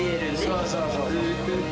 そうそうそう。